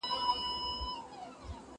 ما پرون د سبا لپاره د يادښتونه بشپړ وکړ،